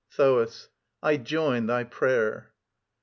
THOAS. I join thy prayer.